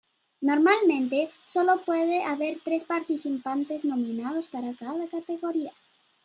Normalmente, sólo puede haber tres participantes nominados para cada categoría.